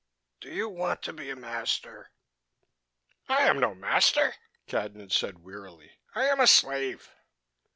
"Do you want to be a master?" "I am no master," Cadnan said wearily. "I am a slave."